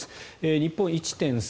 日本は１．３。